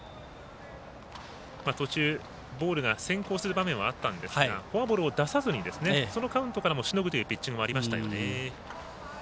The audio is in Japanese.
途中、ボールが先行する場面はあったんですがフォアボールを出さずそのカウントからもしのぐというピッチングがありましたよね。